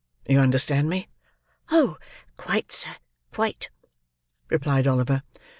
You understand me?" "Oh! quite, sir, quite," replied Oliver.